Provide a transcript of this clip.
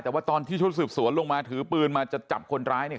แต่ว่าตอนที่ชุดสืบสวนลงมาถือปืนมาจะจับคนร้ายเนี่ย